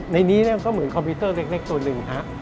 ในนี้ก็เหมือนคอมพิวเตอร์เล็กตัวหนึ่งฮะ